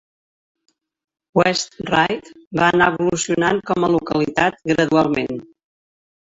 West Ryde va anar evolucionant com a localitat gradualment.